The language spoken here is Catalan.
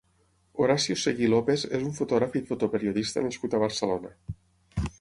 Horacio Seguí López és un fotògraf i fotoperiodista nascut a Barcelona.